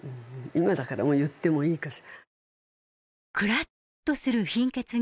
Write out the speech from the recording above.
今だからもう言ってもいいかしら。